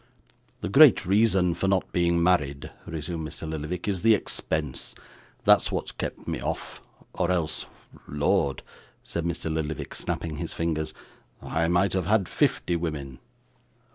'The great reason for not being married,' resumed Mr. Lillyvick, 'is the expense; that's what's kept me off, or else Lord!' said Mr. Lillyvick, snapping his fingers, 'I might have had fifty women.